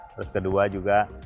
terus kedua juga